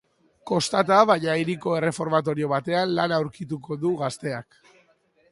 Kostata, baina hiriko erreformatorio batean lana aurkituko du gazteak.